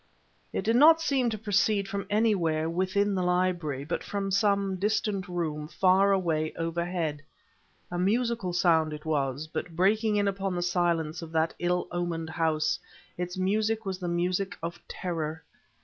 It did not seem to proceed from anywhere within the library, but from some distant room, far away overhead. A musical sound it was, but breaking in upon the silence of that ill omened house, its music was the music of terror.